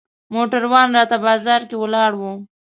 موټروان راته بازار کې ولاړ و.